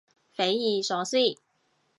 匪夷所思